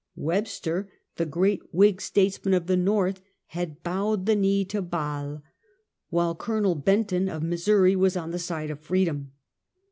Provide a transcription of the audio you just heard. Webster, the great Whig statesman of the Korth, had bowed the knee to Baal, while Col, Benton, of Mis souri, was on the side of Freedom.